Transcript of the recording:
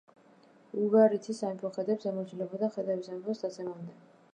უგარითის სამეფო ხეთებს ემორჩილებოდა ხეთების სამეფოს დაცემამდე.